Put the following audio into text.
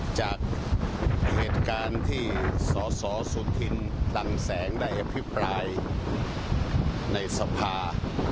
จากเหตุการณ์ที่สสสุธินตันแสงได้อภิปรายในสภา